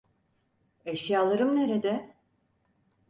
Eşyalarım nerede?